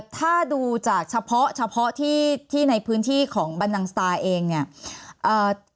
ถ้าดูจากเฉพาะที่ในพื้นที่ของบันดังสตาร์เองเนี่ย